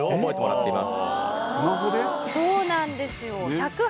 そうなんですよ